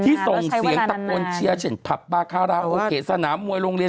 ที่ส่งเสียงตะโกนเชียวเชียงผักบ้าข้าวราวโอเคสนามมวยลงเรียน